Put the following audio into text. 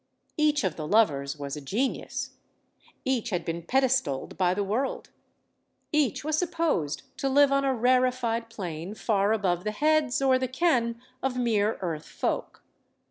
Each of the lovers was a genius; each had been pedestaled by the world; each was supposed to live on a rarified plane far above the heads or the ken of mere earth folk.